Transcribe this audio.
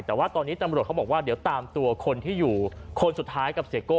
แต่ว่าตอนนี้ตำรวจเขาบอกว่าเดี๋ยวตามตัวคนที่อยู่คนสุดท้ายกับเสียโก้